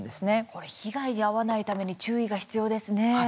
これ被害に遭わないために注意が必要ですね。